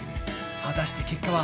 果たして結果は。